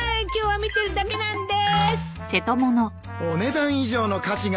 見てるだけなんです。